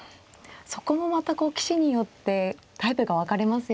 そこもまた棋士によってタイプが分かれますよね。